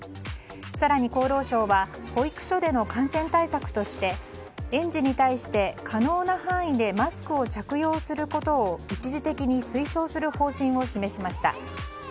更に厚労省は保育所での感染対策として園児に対して可能な範囲でマスクを着用することを一時的に推奨する方針を示しました。